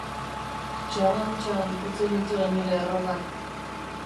Txarrantxan utzi nituen nire arropak.